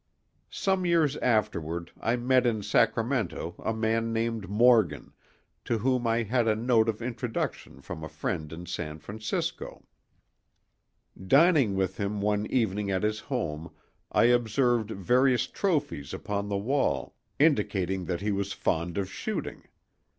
Some years afterward I met in Sacramento a man named Morgan, to whom I had a note of introduction from a friend in San Francisco. Dining with him one evening at his home I observed various "trophies" upon the wall, indicating that he was fond of shooting.